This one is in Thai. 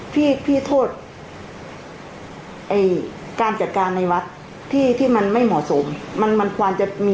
พี่โทษการจัดการในวัดที่มันไม่เหมาะสม